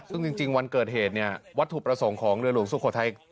ซึ่งจริงวันเกิดเหตุเนี่ยวัตถุประสงค์ของเรือหลวงสุโขทัย